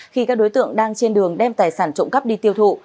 khi các đối tượng đang trên đường đem tài sản trộm cắp đi tiêu thụ